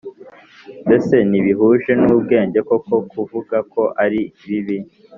Mbese ntibihuje n ubwenge koko kuvuga ko ari bibi